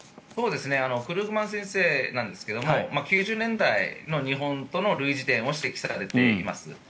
クルーグマン先生ですが９０年代の日本との類似点を指摘されています。